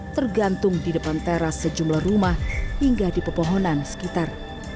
tergantung di depan teras sejumlah rumah hingga di pepohonan sekitar